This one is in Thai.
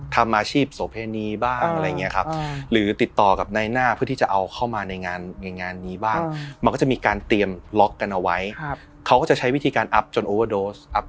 ทำอาชีพโศเภณีบ้างอะไรอย่างเนี่ยครับ